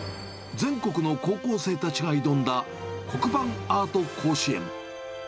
全国の高校生たちが挑んだ、黒板アート甲子園。